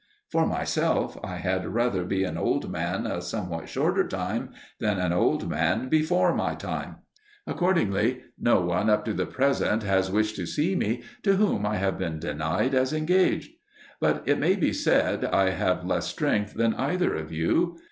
For myself, I had rather be an old man a somewhat shorter time than an old man before my time. Accordingly, no one up to the present has wished to see me, to whom I have been denied as engaged. But, it may be said, I have less strength than either of you.